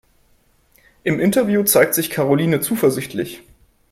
Im Interview zeigt sich Karoline zuversichtlich.